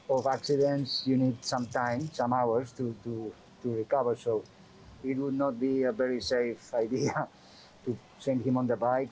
apakah dia merasa sakit atau bercerita tentang penyakit lain yang juga banyak